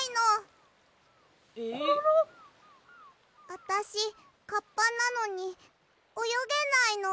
あたしカッパなのにおよげないの。